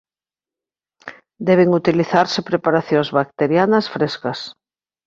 Deben utilizarse preparacións bacterianas frescas.